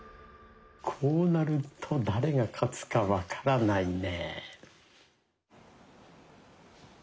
こうなると誰が勝つか分からないね。